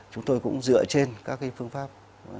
chúng tôi cũng dựa trên các cái phương pháp